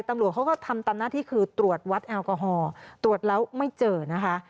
ตำรวจเขาก็ทำตามหน้าที่คือตรวจวัดแอลกอฮอล์ตรวจแล้วไม่เจอนะคะ